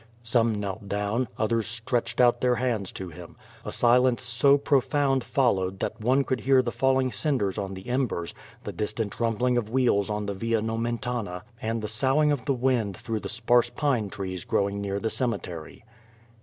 Some knelt down; v others stretched out their hands to him. A silence so pro found followed that one could hear the falling cinders on the embers, the distant rumbling of wheels on the Via No mentana, and the soughing of the wind through the sparse pine trees growing near the cemetery.